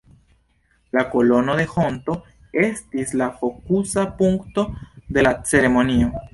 La Kolono de Honto estis la fokusa punkto de la ceremonio.